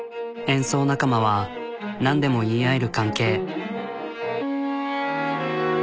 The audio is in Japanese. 演奏仲間はなんでも言い合える関係。